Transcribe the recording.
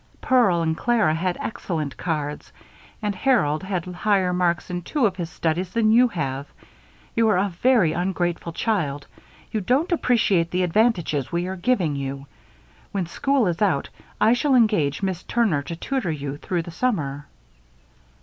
Pearl and Clara had excellent cards and Harold had higher marks in two of his studies than you have. You are a very ungrateful child. You don't appreciate the advantages we are giving you. When school is out, I shall engage Miss Turner to tutor you through the summer."